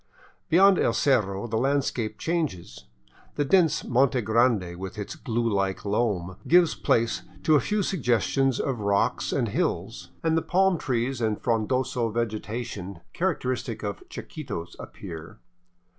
Beyond El Cerro the landscape changes. The dense Monte Grande with its glue like loam gives place to a few suggestions of rocks and hills, and the palm trees and frondoso vegetation characteristic of Chi quitos appear.